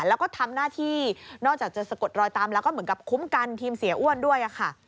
แล้วก็ทำหน้าที่นอกจากจะสะกดรอยตามแล้วก็เหมือนกับคุ้มกันทีมเสียอ้วนด้วยค่ะ